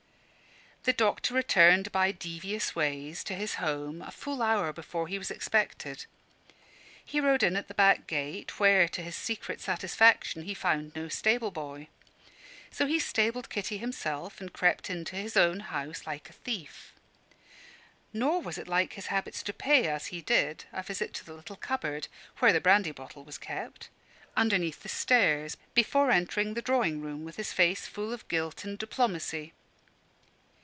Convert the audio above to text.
... The doctor returned by devious ways to his home, a full hour before he was expected. He rode in at the back gate, where to his secret satisfaction he found no stable boy. So he stabled Kitty himself, and crept into his own house like a thief. Nor was it like his habits to pay, as he did, a visit to the little cupboard (where the brandy bottle was kept) underneath the stairs, before entering the drawing room, with his face full of guilt and diplomacy.